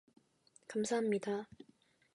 감사합니다.